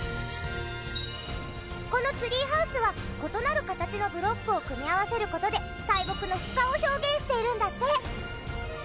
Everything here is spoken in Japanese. このツリーハウスは異なる形のブロックを組み合わせる事で大木の質感を表現しているんだって。